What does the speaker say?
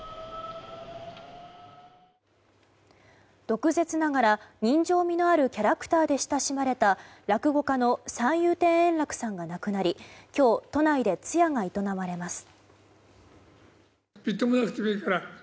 毒舌ながら人情味のあるキャラクターで親しまれた落語家の三遊亭円楽さんが亡くなり今日、都内で通夜が営まれます。